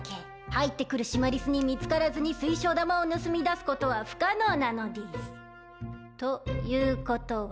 入ってくるシマリスに見つからずに水晶玉を盗み出すことは不可能なのでぃす。ということは。